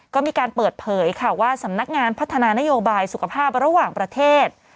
ก็มีการเปิดเผยค่ะว่าสำนักงานพัฒนานโยบายสุขภาพระหว่างประเทศ